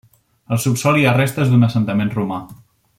Al subsòl hi ha restes d'un assentament romà.